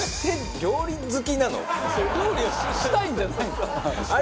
料理をしたいんじゃない？